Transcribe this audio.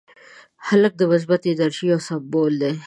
هلک د مثبتې انرژۍ یو سمبول دی.